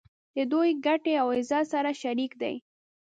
د دوی ګټې او عزت سره شریک دي.